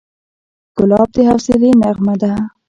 ګلاب د حوصلې نغمه ده.